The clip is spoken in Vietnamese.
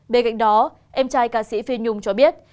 bên cạnh đó em trai ca sĩ phi nhung cho biết